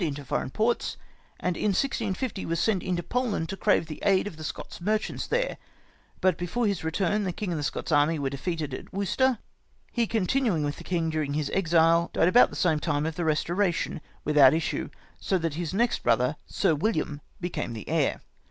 into foreign parts, and in the 1650 was sent into Poland to crave aid of the Scots merchants there ; but before his return the king and the Scots army were defeated at Worcester ; he continuing with the king during his exile, dyed about the time of the Eestoration, without issue ; so that his next brother, Sir William, became his heir.